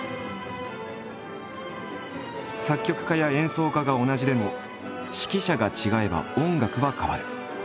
作曲家や演奏家が同じでも指揮者が違えば音楽は変わる。